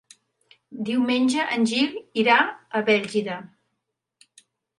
Diumenge en Gil irà a Bèlgida.